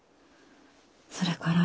それから。